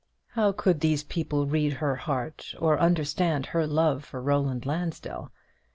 How could these people read her heart, or understand her love for Roland Lansdell?